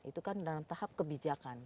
itu kan dalam tahap kebijakan